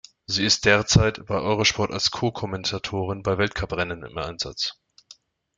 Sie ist derzeit bei Eurosport als Co-Kommentatorin bei Weltcuprennen im Einsatz.